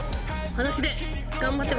はだしで頑張ってます。